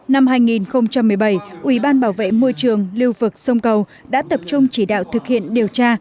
năm hai nghìn một mươi bảy ủy ban bảo vệ môi trường lưu vực sông cầu đã tập trung chỉ đạo thực hiện điều tra